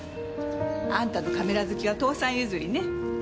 あんたのカメラ好きは父さん譲りね。